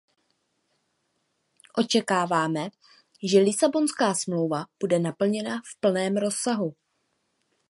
Očekáváme, že Lisabonská smlouva bude naplněna v plném rozsahu.